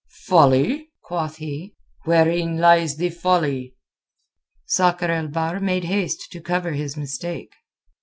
"Folly?" quoth he. "Wherein lies the folly?" Sakr el Bahr made haste to cover his mistake.